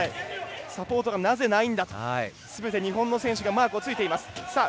サポートがなぜないんだとすべて日本の選手がマークについています。